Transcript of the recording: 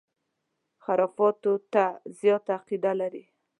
خُرافاتو ته زیاته عقیده لري.